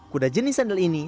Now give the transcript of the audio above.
kuda jenis sengel ini